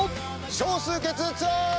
少数決ツアー！